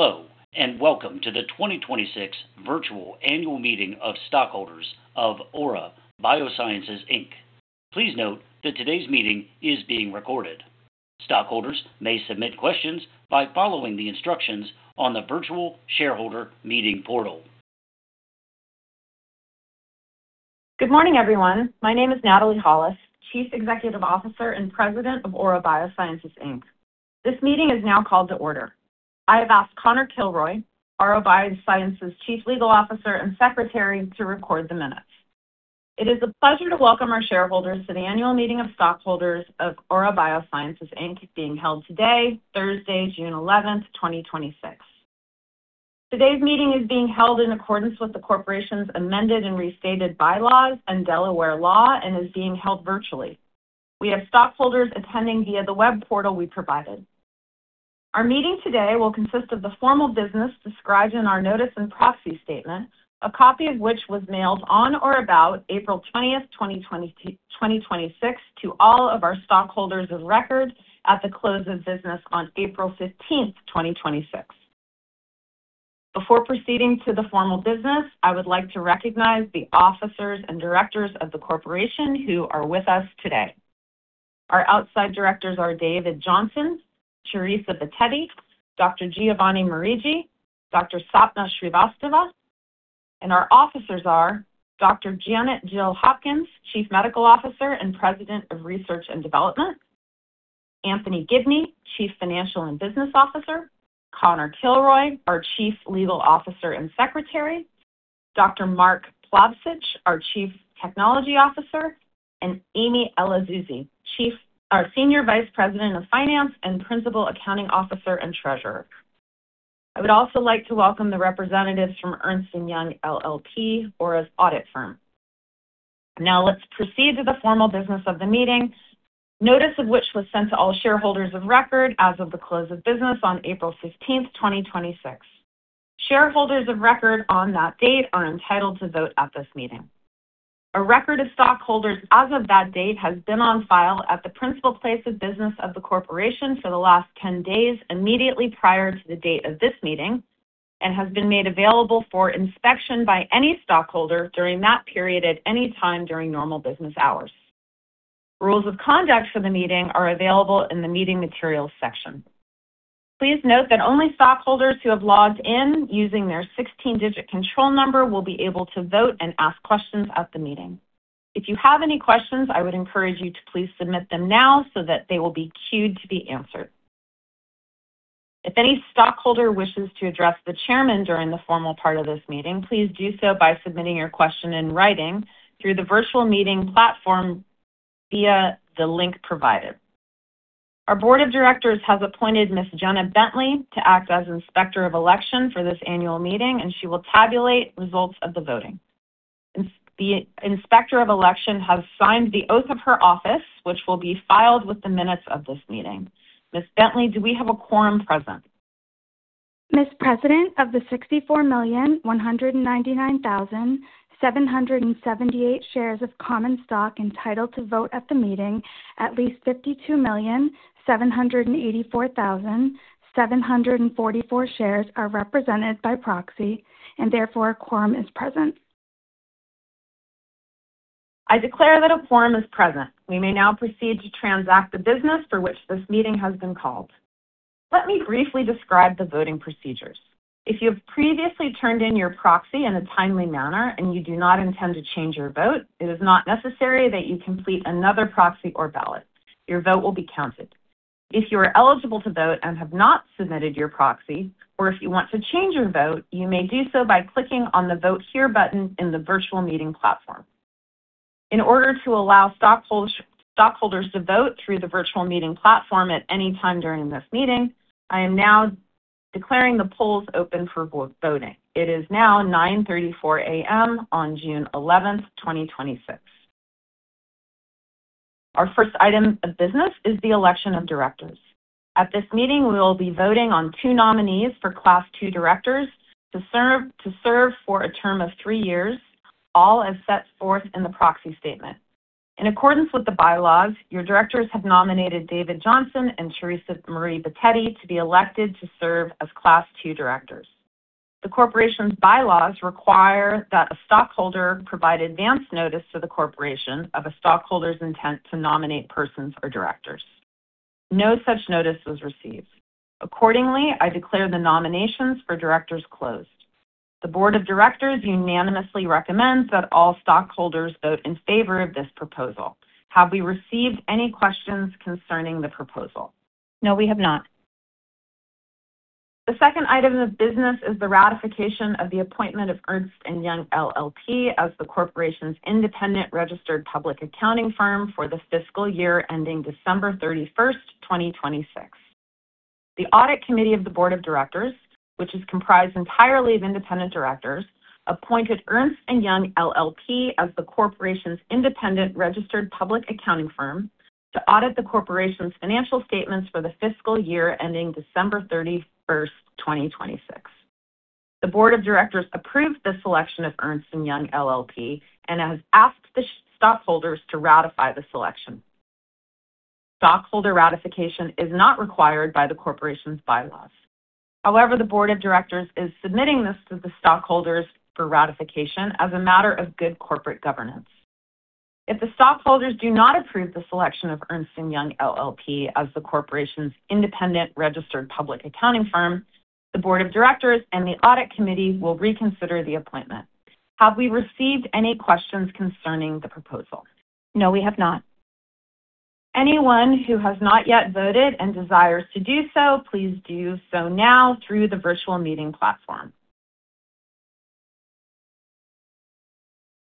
Hello, welcome to the 2026 virtual annual meeting of stockholders of Aura Biosciences, Inc. Please note that today's meeting is being recorded. Stockholders may submit questions by following the instructions on the virtual shareholder meeting portal. Good morning, everyone. My name is Natalie Holles, Chief Executive Officer and President of Aura Biosciences, Inc. This meeting is now called to order. I have asked Conor Kilroy, Aura Biosciences Chief Legal Officer and Secretary, to record the minutes. It is a pleasure to welcome our shareholders to the annual meeting of stockholders of Aura Biosciences, Inc, being held today, Thursday, June 11th, 2026. Today's meeting is being held in accordance with the corporation's amended and restated bylaws and Delaware law and is being held virtually. We have stockholders attending via the web portal we provided. Our meeting today will consist of the formal business described in our notice and proxy statement, a copy of which was mailed on or about April 20th, 2026 to all of our stockholders of record at the close of business on April 15th, 2026. Before proceeding to the formal business, I would like to recognize the officers and directors of the corporation who are with us today. Our outside directors are David Johnson, Teresa Bitetti, Giovanni Mariggi, Sapna Srivastava. Our officers are Dr. Janet Jill Hopkins, Chief Medical Officer and President of Research and Development, Anthony Gibney, Chief Financial and Business Officer, Conor Kilroy, our Chief Legal Officer and Secretary, Dr. Mark Plavsic, our Chief Technology Officer, and Amy Elazzouzi, our Senior Vice President of Finance and Principal Accounting Officer and Treasurer. I would also like to welcome the representatives from Ernst & Young LLP, Aura's audit firm. Let's proceed to the formal business of the meeting, notice of which was sent to all shareholders of record as of the close of business on April 15th, 2026. Shareholders of record on that date are entitled to vote at this meeting. A record of stockholders as of that date has been on file at the principal place of business of the corporation for the last 10 days immediately prior to the date of this meeting and has been made available for inspection by any stockholder during that period at any time during normal business hours. Rules of conduct for the meeting are available in the meeting materials section. Please note that only stockholders who have logged in using their 16-digit control number will be able to vote and ask questions at the meeting. If you have any questions, I would encourage you to please submit them now so that they will be queued to be answered. If any stockholder wishes to address the chairman during the formal part of this meeting, please do so by submitting your question in writing through the virtual meeting platform via the link provided. Our board of directors has appointed Ms. Jenna Bentley to act as Inspector of Election for this annual meeting, and she will tabulate results of the voting. The Inspector of Election has signed the oath of her office, which will be filed with the minutes of this meeting. Ms. Bentley, do we have a quorum present? Ms. President, of the 64,199,778 shares of common stock entitled to vote at the meeting, at least 52,784,744 shares are represented by proxy, and therefore a quorum is present. I declare that a quorum is present. We may now proceed to transact the business for which this meeting has been called. Let me briefly describe the voting procedures. If you have previously turned in your proxy in a timely manner and you do not intend to change your vote, it is not necessary that you complete another proxy or ballot. Your vote will be counted. If you are eligible to vote and have not submitted your proxy, or if you want to change your vote, you may do so by clicking on the Vote Here button in the virtual meeting platform. In order to allow stockholders to vote through the virtual meeting platform at any time during this meeting, I am now declaring the polls open for voting. It is now 9:34 A.M. on June 11th, 2026. Our first item of business is the election of directors. At this meeting, we will be voting on two nominees for Class 2 directors to serve for a term of three years, all as set forth in the proxy statement. In accordance with the bylaws, your directors have nominated David Johnson and Teresa Marie Bitetti to be elected to serve as Class 2 directors. The corporation's bylaws require that a stockholder provide advance notice to the corporation of a stockholder's intent to nominate persons for directors. No such notice was received. Accordingly, I declare the nominations for directors closed. The board of directors unanimously recommends that all stockholders vote in favor of this proposal. Have we received any questions concerning the proposal? No, we have not. The second item of business is the ratification of the appointment of Ernst & Young LLP as the corporation's independent registered public accounting firm for the fiscal year ending December 31st, 2026. The audit committee of the board of directors, which is comprised entirely of independent directors, appointed Ernst & Young LLP as the corporation's independent registered public accounting firm to audit the corporation's financial statements for the fiscal year ending December 31st, 2026. The board of directors approved this selection of Ernst & Young LLP and has asked the stockholders to ratify the selection. Stockholder ratification is not required by the corporation's bylaws. However, the board of directors is submitting this to the stockholders for ratification as a matter of good corporate governance. If the stockholders do not approve the selection of Ernst & Young LLP as the corporation's independent registered public accounting firm, the board of directors and the audit committee will reconsider the appointment. Have we received any questions concerning the proposal? No, we have not. Anyone who has not yet voted and desires to do so, please do so now through the virtual meeting platform.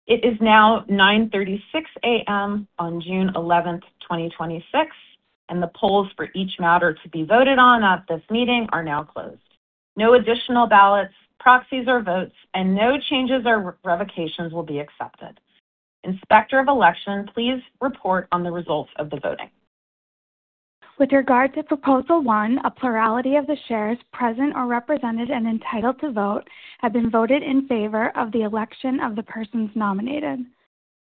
It is now 9:36 A.M. on June 11th, 2026, and the polls for each matter to be voted on at this meeting are now closed. No additional ballots, proxies, or votes, and no changes or revocations will be accepted. Inspector of Election, please report on the results of the voting. With regard to Proposal 1, a plurality of the shares present or represented and entitled to vote have been voted in favor of the election of the persons nominated.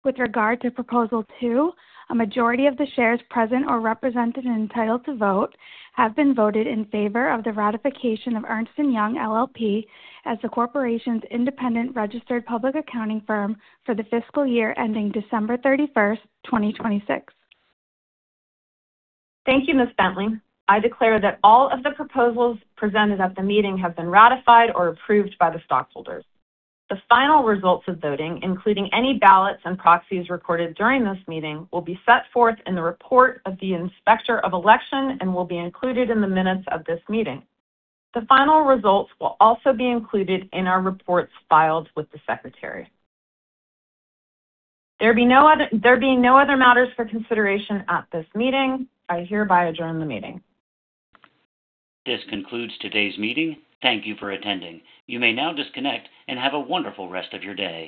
With regard to Proposal 2, a majority of the shares present or represented and entitled to vote have been voted in favor of the ratification of Ernst & Young LLP as the corporation's independent registered public accounting firm for the fiscal year ending December 31st, 2026. Thank you, Ms. Bentley. I declare that all of the proposals presented at the meeting have been ratified or approved by the stockholders. The final results of voting, including any ballots and proxies recorded during this meeting, will be set forth in the report of the Inspector of Election and will be included in the minutes of this meeting. The final results will also be included in our reports filed with the Secretary. There being no other matters for consideration at this meeting, I hereby adjourn the meeting. This concludes today's meeting. Thank you for attending. You may now disconnect and have a wonderful rest of your day.